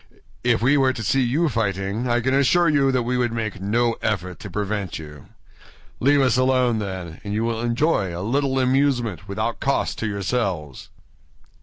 "If we were to see you fighting, I can assure you that we would make no effort to prevent you. Leave us alone, then, and you will enjoy a little amusement without cost to yourselves."